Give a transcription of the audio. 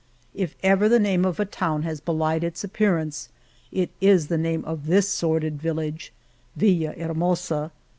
If ever the name of a town has belied its appearance it is the name of this sordid village, Villahermosa